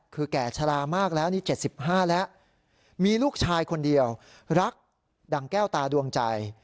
คือแก่ชะลามากแล้วนี่๗๕แล้วมีลูกชายคนเดียวรักดั่งแก้วตาดวงใจ